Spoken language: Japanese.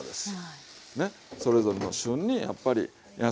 それぞれの旬にやっぱり野菜。